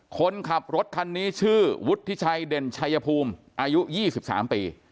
คนขับรถคันนี้ชื่อวุฒิชัยเด่นชัยภูมิอายุ๒๓ปี